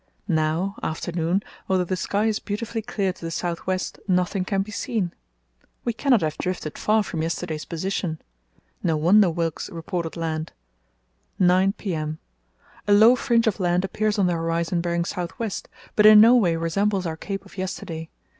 Now (afternoon), although the sky is beautifully clear to the south west, nothing can be seen. We cannot have drifted far from yesterday's position. No wonder Wilkes reported land. 9 p.m.—A low fringe of land appears on the horizon bearing south west, but in no way resembles our Cape of yesterday.